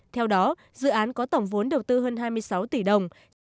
theo đó dự án có tổng vốn đầu tư hơn hai mươi sáu tỷ đồng